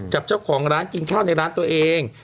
กับเจ้าของร้านกินข้าวในร้านตัวเอง